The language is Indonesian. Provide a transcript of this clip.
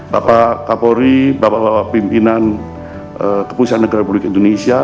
bapak kapolri bapak bapak pimpinan kepolisian negara republik indonesia